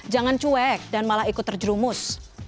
jangan cuek dan malah ikut terjerumus